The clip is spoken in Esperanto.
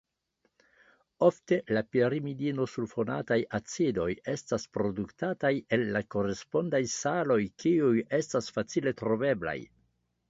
Ofte la pirimidinosulfonataj acidoj estas produktataj el la korespondaj saloj kiuj estas facile troveblaj.